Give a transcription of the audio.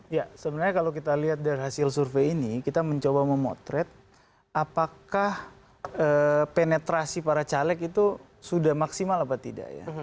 ya sebenarnya kalau kita lihat dari hasil survei ini kita mencoba memotret apakah penetrasi para caleg itu sudah maksimal apa tidak ya